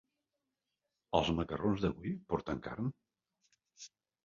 Els macarrons d'avui porten carn?